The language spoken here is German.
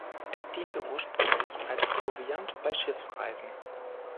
Es diente ursprünglich als Proviant bei Schiffsreisen.